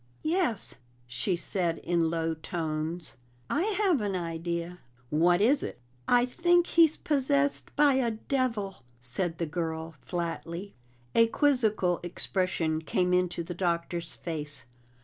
"Yes," she said in low tones. "I have an idea." "What is it?" "I think he's possessed by a devil!" said the girl flatly. A quizzical expression came into the Doctor's face.